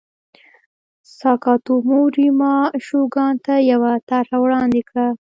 ساکاتومو ریوما شوګان ته یوه طرحه وړاندې کړه.